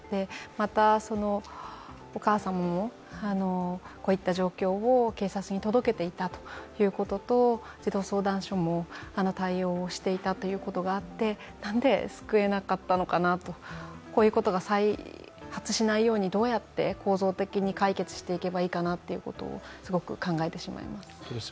また、お母さんもこういった状況を警察に届けていたことと児童相談所も対応をしていたということがあってなんで救えなかったのかなとこういうことが再発しないようにどうやって構造的に解決していけばいいかなということをすごく考えてしまいます。